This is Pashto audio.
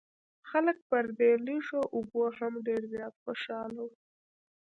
خلک پر دې لږو اوبو هم ډېر زیات خوشاله وو.